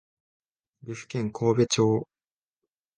岐阜県神戸町